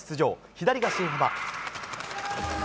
左が新濱。